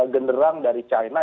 genderang dari china